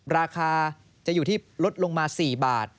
ราคาจะอยู่ที่ลดลงมา๔บาท